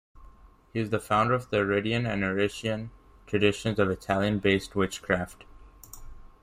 He is the founder of the Aridian and Arician traditions of Italian-based witchcraft.